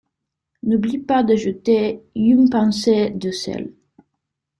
N'oublie pas d'ajouter une pincée de sel!